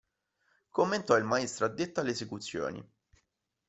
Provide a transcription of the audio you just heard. Commentò il maestro addetto alle esecuzioni.